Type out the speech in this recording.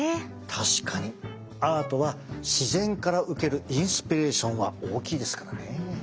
確かにアートは自然から受けるインスピレーションは大きいですからね。